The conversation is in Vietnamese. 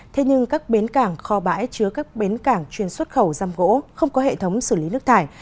thế nhưng các bến cảng kho bãi chứa các bến cảng chuyên xuất khẩu răm gỗ không có hệ thống xử lý nước thải